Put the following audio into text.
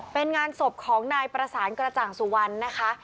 เป็นงานศพของนายประสานกระจ่างสุวรรณนะคะ